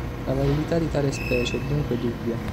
La validità di tale specie è dunque dubbia.